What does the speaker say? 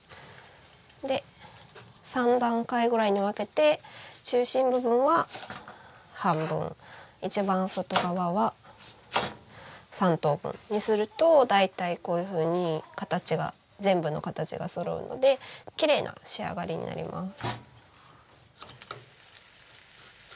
で３段階ぐらいに分けて中心部分は半分一番外側は３等分にすると大体こういうふうに形が全部の形がそろうのできれいな仕上がりになります。